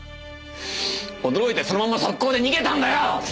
驚いてそのまま即行で逃げたんだよ！